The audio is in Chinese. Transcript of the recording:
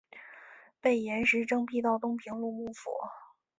被严实征辟到东平路幕府。